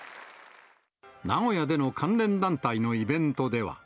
名古屋での関連団体のイベントでは。